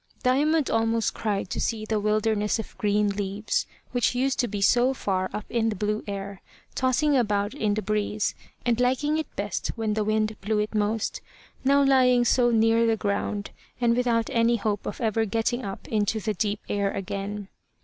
Diamond almost cried to see the wilderness of green leaves, which used to be so far up in the blue air, tossing about in the breeze, and liking it best when the wind blew it most, now lying so near the ground, and without any hope of ever getting up into the deep air again.